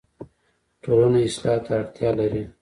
ټولنه اصلاح ته اړتیا لري